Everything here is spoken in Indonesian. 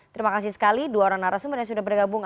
terima kasih sekali dua orang narasumber yang sudah bergabung